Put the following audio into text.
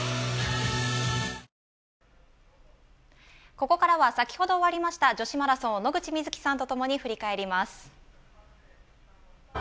ここからは先ほど終わりました、女子マラソンを野口みずきさんとともに振り返ります。